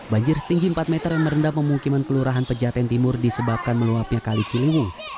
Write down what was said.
banjir setinggi empat meter yang merendah pemungkiman pelurahan pejaten timur disebabkan meluapnya kali celimut